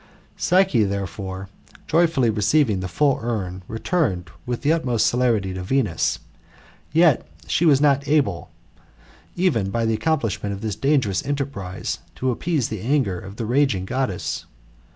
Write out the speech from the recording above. Psyche, therefore, joyfully receiving the full urn, returned with th^ utmost celerity to Venus. Yet she was not able, even by the accomplishment of this dangerous enterprise, to appease the anger of the raging Goddess.